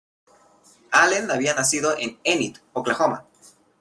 Allen había nacido en Enid, Oklahoma.